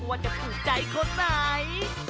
ว่าจะถูกใจคนไหน